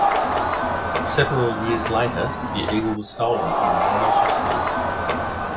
Several years later, the eagle was stolen from the Royal Hospital.